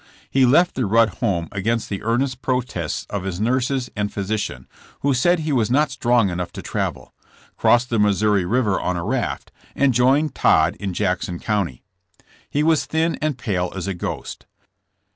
He left the Rudd home against the earnest protests of his nurses and physician, who said he was not strong enough to travel; crossed the Missouri river on a raft, and joined Todd in Jackson County. He was thin and pale as a ghost.